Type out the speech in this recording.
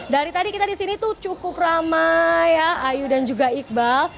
dari tadi kita di sini tuh cukup ramai ya ayu dan juga iqbal